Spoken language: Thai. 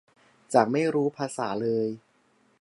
จากไม่รู้ภาษาเลย